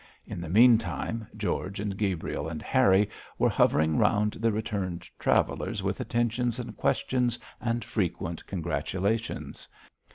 In the meantime, George and Gabriel and Harry were hovering round the returned travellers with attentions and questions and frequent congratulations.